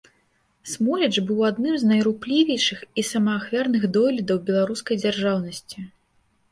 Смоліч быў адным з найруплівейшых і самаахвярных дойлідаў беларускай дзяржаўнасьці.